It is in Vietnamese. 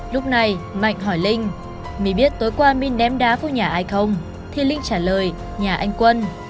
lúc này mạnh hỏi linh mỹ biết tối qua minh đém đá vô nhà ai không thì linh trả lời nhà anh quân